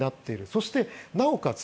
そしてなおかつ